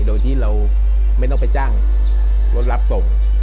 โดยที่เราไม่ต้องไปจ้างรถรับส่ง